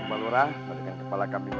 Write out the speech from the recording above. kepala kambing di dalam sumur ini